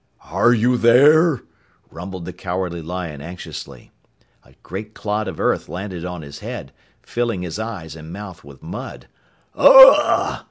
"Are you there?" rumbled the Cowardly Lion anxiously. A great clod of earth landed on his head, filling his eyes and mouth with mud. "Ugh!"